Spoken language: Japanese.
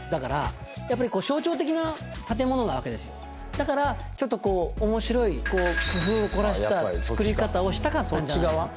だからちょっとこう面白いこう工夫を凝らしたつくり方をしたかったんじゃないかな。